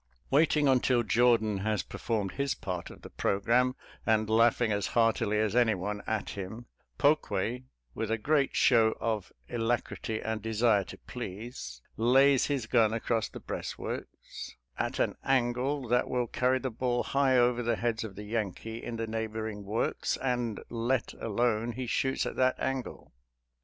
Waiting until Jordan has per formed his part of the programme and laugh ing as heartily as anyone at him, Pokue, with a great show of alacrity and desire to please, lays his gun across the breastworks at an angle that will carry the ball high over the heads of the Yankee in the neighboring works ; and, let alone, he shoots at that angle.